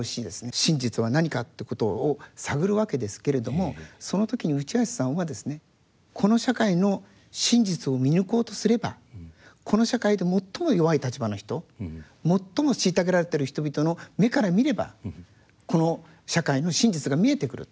真実は何かってことを探るわけですけれどもその時に内橋さんはですねこの社会の真実を見抜こうとすればこの社会で最も弱い立場の人最も虐げられてる人々の目から見ればこの社会の真実が見えてくると。